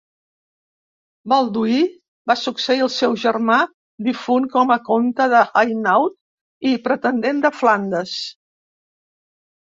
Balduí va succeir al seu germà difunt com a comte d'Hainaut i pretendent de Flandes.